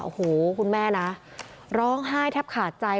โอ้โหคุณแม่นะร้องไห้แทบขาดใจ